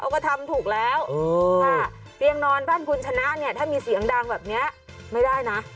ก็ทำถูกแล้วค่ะเตียงนอนบ้านคุณชนะเนี่ยถ้ามีเสียงดังแบบนี้ไม่ได้นะ